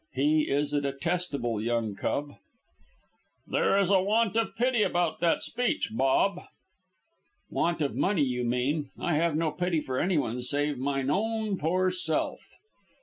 He is a detestable young cub." "There is a want of pity about that speech, Bob!" "Want of money, you mean. I have no pity for anyone save mine own poor self.